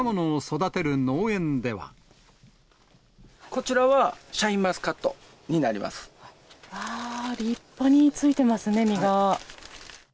こちらはシャインマスカット立派についてますね、実が。